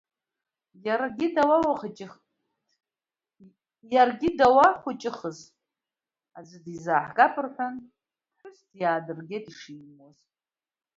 Иаргьы даухәыҷыхыз, аӡә дизааҳгап рҳәан, аԥҳәыс диаадыргеит ишиимуаз.